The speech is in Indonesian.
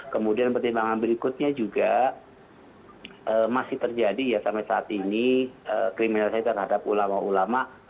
kemudian pertimbangan berikutnya juga masih terjadi ya sampai saat ini kriminalisasi terhadap ulama ulama